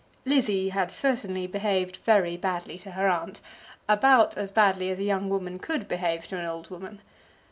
Lizzie had certainly behaved very badly to her aunt; about as badly as a young woman could behave to an old woman.